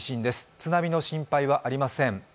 津波の心配はありません。